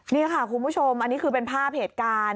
นี่ค่ะคุณผู้ชมอันนี้คือเป็นภาพเหตุการณ์